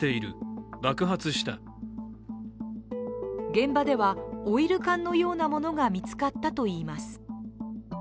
現場ではオイル缶のようなものが見つかったといいます。